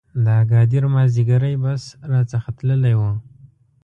د اګادیر مازیګری بس را څخه تللی و.